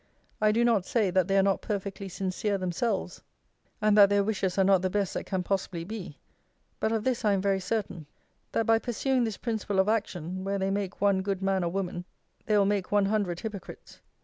I do not say, that they are not perfectly sincere themselves, and that their wishes are not the best that can possibly be; but of this I am very certain, that, by pursuing this principle of action, where they make one good man or woman, they will make one hundred hypocrites.